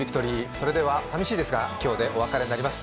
それでは寂しいですが今日でお別れになります